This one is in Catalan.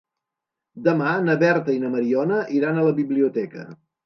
Demà na Berta i na Mariona iran a la biblioteca.